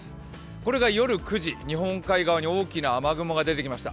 これが夜９時、日本海側に大きな雲が出てきました。